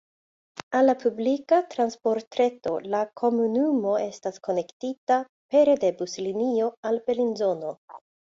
Al la publika transportreto la komunumo estas konektita pere de buslinio al Belinzono.